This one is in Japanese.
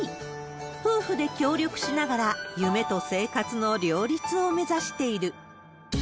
夫婦で協力しながら、夢と生活の両立を目指している。